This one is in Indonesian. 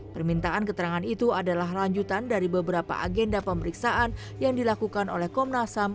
permintaan keterangan itu adalah lanjutan dari beberapa agenda pemeriksaan yang dilakukan oleh komnas ham